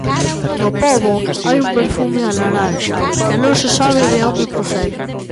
No pobo hai un perfume a laranxa, que non se sabe de onde procede.